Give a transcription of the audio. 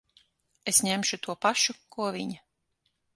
Es ņemšu to pašu, ko viņa.